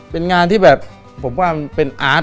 เป็นงานที่แบบผมว่ามันเป็นอาร์ต